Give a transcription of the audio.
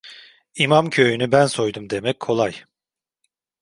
"İmamköyü'nü ben soydum!" demek kolay…